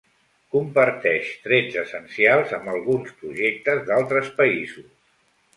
Comparteix trets essencials amb alguns projectes d'altres països.